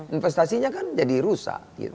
investasinya kan jadi rusak